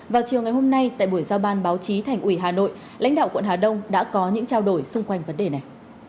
vào chiều ngày hôm nay tại buổi giao ban báo chí thành ủy hà nội lãnh đạo quận hà đông đã có những trao đổi xung quanh vấn đề này